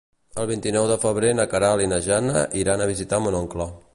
El vint-i-nou de febrer na Queralt i na Jana iran a visitar mon oncle.